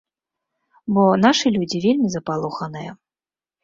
Бо нашы людзі вельмі запалоханыя.